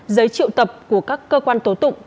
giấy triệu tập của các cơ quan tố tụng